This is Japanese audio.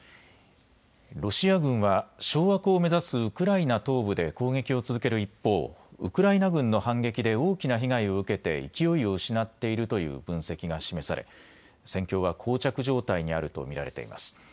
ロシア軍は掌握を目指すウクライナ東部で攻撃を続ける一方、ウクライナ軍の反撃で大きな被害を受けて勢いを失っているという分析が示され戦況はこう着状態にあると見られています。